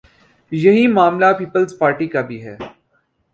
یہی معاملہ پیپلزپارٹی کا بھی ہے۔